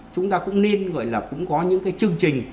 chúng ta cũng nên gọi là cũng có những cái chương trình